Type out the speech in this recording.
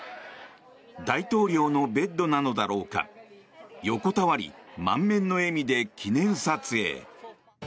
大統領のベッドなのだろうか横たわり、満面の笑みで記念撮影。